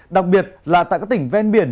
đặc biệt là tại các tỉnh ven biển